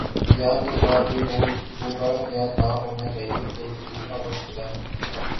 دھیان اس بات پہ ہو گا یا ہونا چاہیے کہ جتنا وقت ملا ہے۔